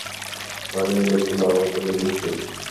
মানে, এই লোকগুলো আমার উপর নির্ভরশীল।